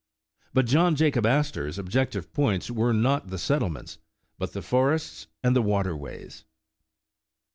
But John Jacob Astor 's ob jective points were not the settlements, but the forests and the water ways.